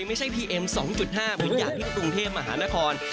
พีเอ็ม๒๕เหมือนอย่างที่กรุงเทพมหานคร